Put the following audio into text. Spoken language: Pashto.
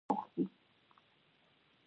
د مېلمنو لپاره ښه مېلمه پالنه وکړئ.